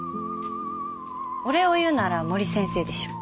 お礼を言うなら森先生でしょう。